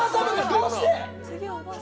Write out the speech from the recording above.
どうして！